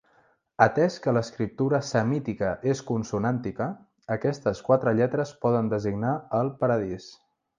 Atès que l'escriptura semítica és consonàntica, aquestes quatre lletres poden designar el Paradís.